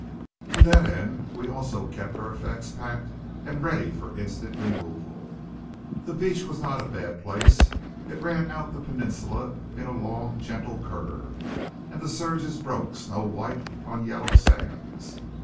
To that end we also kept our effects packed and ready for instant removal. The beach was not a bad place. It ran out the peninsula in a long gentle curve; and the surges broke snow white on yellow sands.